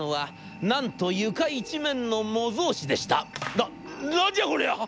『な何じゃこりゃ！？』。